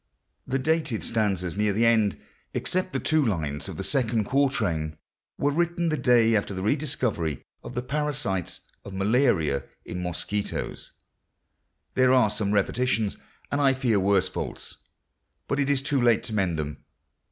The dated stanzas near the end, except the first two lines of the second quatrain, were written the day after the discovery of the parasites of malaria in mosquitos. There are some repetitions, and I fear worse faults; but it is too late to mend them.